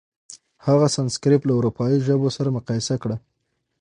هغه سانسکریت له اروپايي ژبو سره مقایسه کړه.